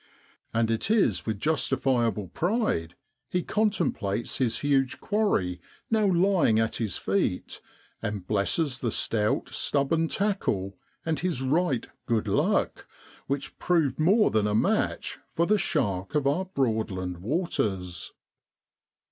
And it is with justifiable pride he contemplates his huge quarry now lying at his feet, and blesses the stout, stubborn tackle, and his right 'good luck,' which proved more than a match for the shark of our Broadland waters.